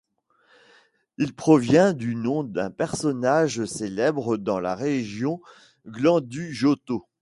Il provient du nom d'une personnage célèbre dans la région Giandujotto.